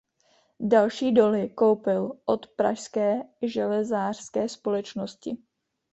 Další doly koupil od Pražské železářské společnosti.